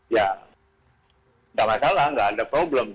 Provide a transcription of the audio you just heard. ya tidak masalah tidak ada problem